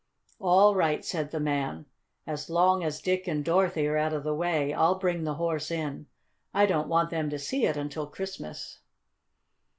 "All right," said the man. "As long as Dick and Dorothy are out of the way I'll bring the Horse in. I don't want them to see it until Christmas."